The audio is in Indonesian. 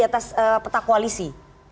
atas peta koalisi